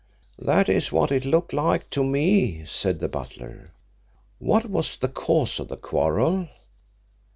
"That is what it looked like to me," said the butler. "What was the cause of the quarrel?"